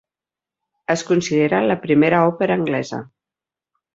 Es considera la primera òpera anglesa.